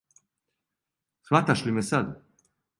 Схваташ ли ме сад?